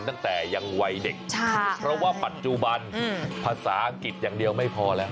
ตั้งแต่ยังวัยเด็กเพราะว่าปัจจุบันภาษาอังกฤษอย่างเดียวไม่พอแล้ว